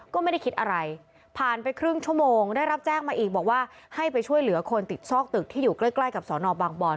ก็ไม่ได้คิดอะไรผ่านไปครึ่งชั่วโมงได้รับแจ้งมาอีกบอกว่าให้ไปช่วยเหลือคนติดซอกตึกที่อยู่ใกล้ใกล้กับสอนอบางบอน